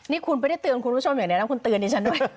นี่คุณไม่ได้เตือนคุณผู้ชมอย่างเดียวนะคุณเตือนดิฉันด้วย